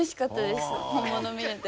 本物見れて。